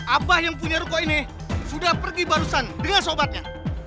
abah yang punya ruko ini sudah pergi barusan dengan obatnya